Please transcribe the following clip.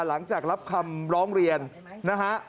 หลังจากรับคำร้องเรียนนะฮะ